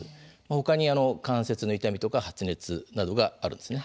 他に関節の痛みとか発熱があるんです。